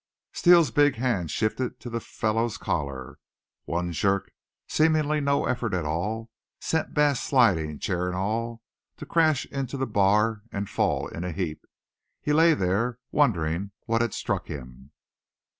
Steele's big hand shifted to the fellow's collar. One jerk, seemingly no effort at all, sent Bass sliding, chair and all, to crash into the bar and fall in a heap. He lay there, wondering what had struck him.